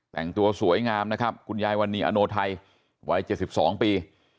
แต่งตัวสวยงามนะครับคุณยายวันนี้อโนไทยวัย๗๒ปี